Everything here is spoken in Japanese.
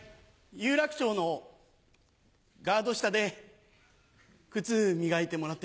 有楽町のガード下で靴磨いてもらってたんです。